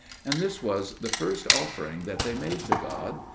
And this was the first offering that they made to God.